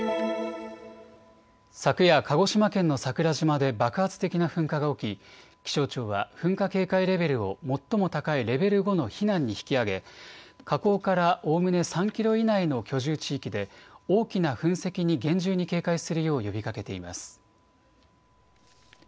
昨夜、鹿児島県の桜島で爆発的な噴火が起き気象庁は噴火警戒レベルを最も高いレベル５の避難に引き上げ火口からおおむね３キロ以内の居住地域で大きな噴石に厳重に警戒するよう呼びかけています。